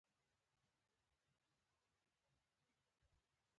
پر بله خوا منډه یې کړه.